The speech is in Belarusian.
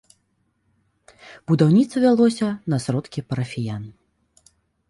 Будаўніцтва вялося на сродкі парафіян.